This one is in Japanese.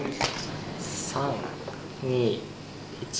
３２１。